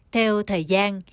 theo thời gian